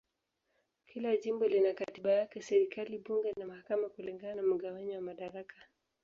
Kila jimbo lina katiba yake, serikali, bunge na mahakama kulingana na mgawanyo wa madaraka.